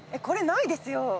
これないですよ。